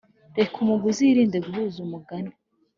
reka umuguzi yirinde guhuza umugani